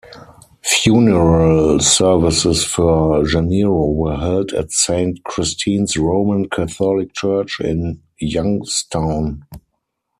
Funeral services for Janiro were held at Saint Christine's Roman Catholic Church, in Youngstown.